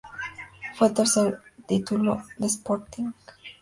Fue el tercer título de Sporting.